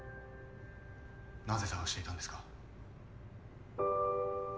なぜ捜していたんですか？